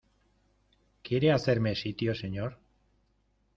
¿ quiere hacerme sitio, señor?